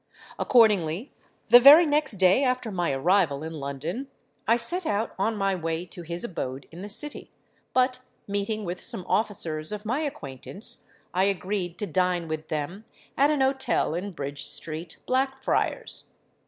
Accordingly, the very next day after my arrival in London, I set out on my way to his abode in the City; but meeting with some officers of my acquaintance, I agreed to dine with them at an hotel in Bridge Street, Blackfriars.